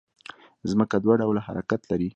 ځمکه دوه ډوله حرکت لري